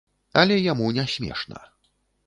Але яму не смешна.